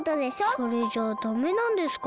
それじゃあダメなんですか？